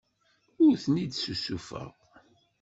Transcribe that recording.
Ur ten-id-ssusufeɣ.